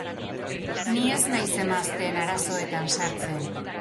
Ni ez naiz emazteen arazoetan sartzen.